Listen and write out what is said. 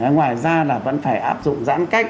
ngoài ra là vẫn phải áp dụng giãn cách